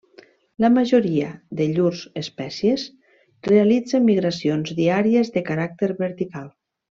La majoria de llurs espècies realitza migracions diàries de caràcter vertical.